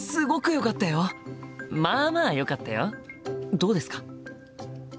どうですか？